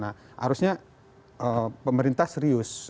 nah harusnya pemerintah serius